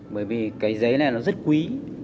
bởi vì cái giấy này nó rất quý